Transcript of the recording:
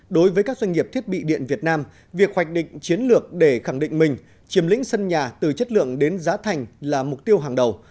đối với các doanh nghiệp thiết bị điện việt nam việc hoạch định chiến lược để khẳng định mình chiếm lĩnh sân nhà từ chất lượng đến giá thành là mục tiêu hàng đầu